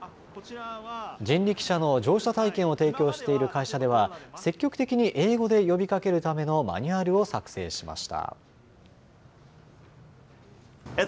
人力車の乗車体験を提供している会社では、積極的に英語で呼びかけるためのマニュアルを作成しました。